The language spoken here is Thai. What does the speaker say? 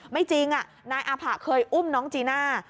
ไม่จริงนายอาผะเคยอุ้มน้องจีน่า